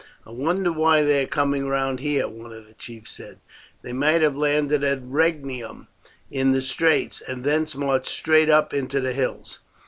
"I wonder why they are coming round here?" one of the chiefs said; "they might have landed at Rhegium in the straits, and thence marched straight up into the hills.